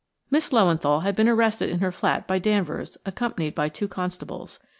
Miss Löwenthal had been arrested in her flat by Danvers, accompanied by two constables.